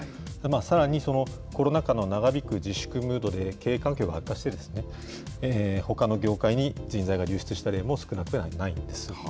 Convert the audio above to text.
さらにそのコロナ禍の長引く自粛ムードで経営環境が悪化して、ほかの業界に人材が流出したりも少なくはないんです。